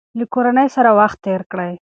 له کورنۍ سره وخت تېر کړئ.